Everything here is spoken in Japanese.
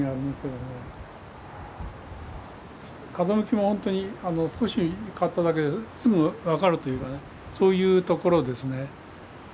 風向きもほんとに少し変わっただけですぐ分かるというかねそういう所ですね。